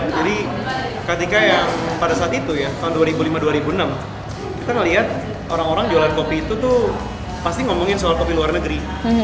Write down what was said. jadi ketika pada saat itu ya tahun dua ribu lima dua ribu enam kita melihat orang orang jualan kopi itu tuh pasti ngomongin soal kopi luar negeri